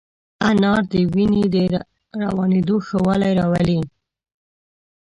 انار د وینې روانېدو ښه والی راولي.